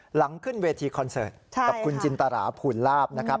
หลังขึ้นเวทีคอนเสิร์ตกับคุณจินตราภูลลาบนะครับ